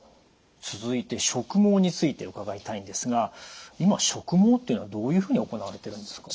続いて植毛について伺いたいんですが今植毛っていうのはどういうふうに行われてるんですか？